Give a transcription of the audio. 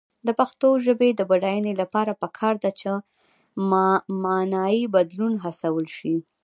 د پښتو ژبې د بډاینې لپاره پکار ده چې معنايي بدلون هڅول شي.